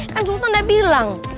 kan sultan udah bilang